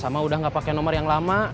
sama udah gak pake nomer yang lama